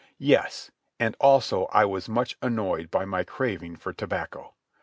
Yes, and also I was much annoyed by my craving for tobacco.